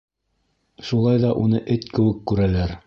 Шулай ҙа уны эт кеүек күрәләр.